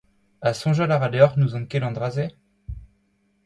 Ha soñjal a ra deoc'h n'ouzon ket an dra-se ?